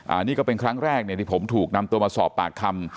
อันนี้ก็เป็นครั้งแรกเนี่ยที่ผมถูกนำตัวมาสอบปากคำ